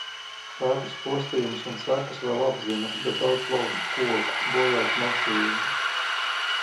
Vētras postījumus un sekas vēl apzina, bet daudz lauztu koku, bojātu mašīnu.